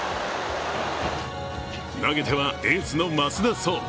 投げてはエースの増田壮。